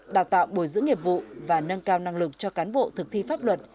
đào tạo bồi dưỡng nghiệp vụ và nâng cao năng lực cho cán bộ thực thi pháp luật